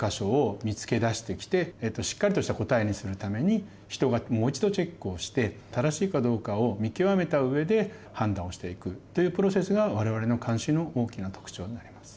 しっかりとした答えにするために人がもう一度チェックをして正しいかどうかを見極めたうえで判断をしていくというプロセスが我々の監視の大きな特徴になります。